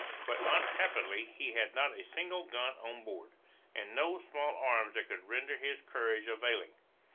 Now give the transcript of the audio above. But unhappily he had not a single gun on board, and no small arms that could render his courage availing.